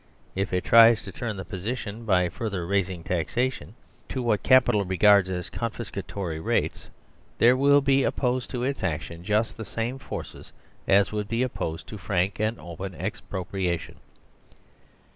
If it tries to turn the position by further raising taxation to what Capital regards as " confiscatory " rates, there will be opposed to its action just the same forces as would be op posed to frank and open expropriation.